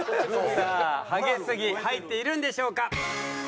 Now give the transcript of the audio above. さあ「ハゲすぎ」入っているんでしょうか？